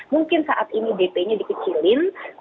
mungkin saat ini dp nya dikecilin